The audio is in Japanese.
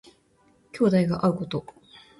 兄弟が会うこと。